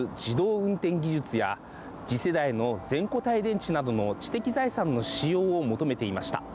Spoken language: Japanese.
運転技術や全固体電池など知的財産の使用を求めていました。